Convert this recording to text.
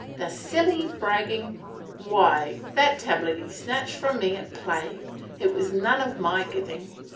" The silly, bragging — why, that tablet he snatched from me at play ! It was none of my giving.